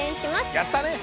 やったね。